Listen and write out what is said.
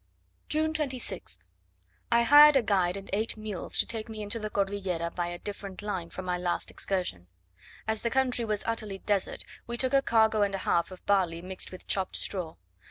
June 26th. I hired a guide and eight mules to take me into the Cordillera by a different line from my last excursion. As the country was utterly desert, we took a cargo and a half of barley mixed with chopped straw.